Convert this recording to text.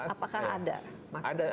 apakah ada maksud tertentu